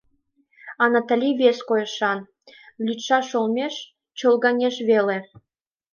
А Натали вес койышан: лӱдшаш олмеш чолгаҥеш веле.